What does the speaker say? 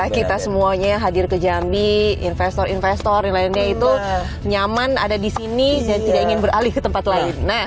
kita semuanya hadir ke jambi investor investor yang lainnya itu nyaman ada di sini dan tidak ingin beralih ke tempat lain